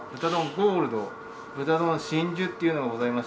ゴールド豚丼真珠っていうのがございまして。